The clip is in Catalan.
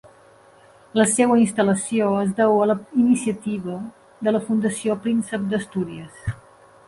La seva instal·lació es deu a la iniciativa de la Fundació Príncep d'Astúries.